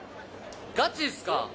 ガチっすか？